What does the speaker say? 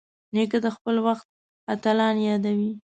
نیکه د خپل وخت اتلان یادوي.